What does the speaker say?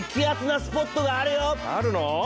あるの？